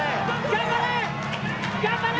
頑張れ！